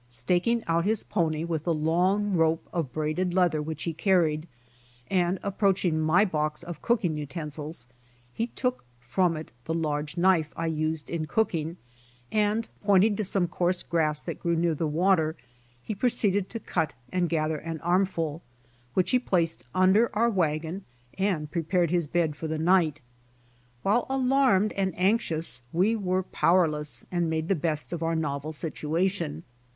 Staking out his pony with the long rope of braided leather which he carried, and approaching my box of cooking utensils, he took from it the large knife I used in cooking, and pointing to some coarse grass that grew near the water he proceeded to cut and gather an armful, which he placed under our wagon and pre pared his bed for the night. While alarmed and anxious we were powerless and made the best of our novel situation.